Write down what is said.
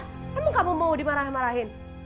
emang kamu mau dimarah marahin